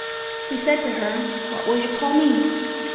He said to her: "What will you call me?"